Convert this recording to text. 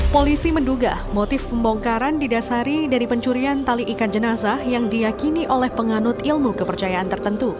polisi menduga motif pembongkaran didasari dari pencurian tali ikan jenazah yang diakini oleh penganut ilmu kepercayaan tertentu